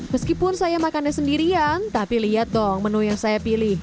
meskipun saya makannya sendirian tapi lihat dong menu yang saya pilih